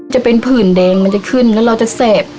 จะเป็นผื่นแดงมันจะขึ้นแล้วเราจะแสบ